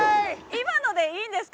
今のでいいんですか？